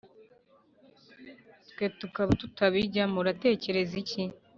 twe tukaba tutabijyamo uratekereza iki